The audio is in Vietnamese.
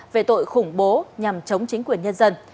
về tội khủng bố nhằm chống chính quyền nhân dân